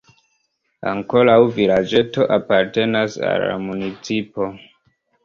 Ankoraŭ vilaĝeto apartenas al la municipo.